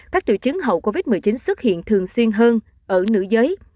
các triệu chứng hậu covid một mươi chín xuất hiện thường xuyên hơn ở nữ giới